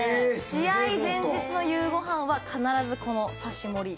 試合前日の夕ご飯は必ずこの刺盛り。